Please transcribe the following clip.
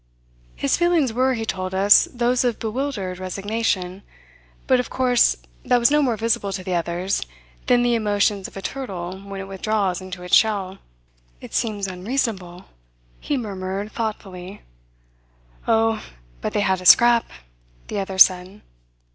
His feelings were, he told us, those of bewildered resignation; but of course that was no more visible to the others than the emotions of a turtle when it withdraws into its shell. "It seems unreasonable," he murmured thoughtfully. "Oh, but they had a scrap!" the other said.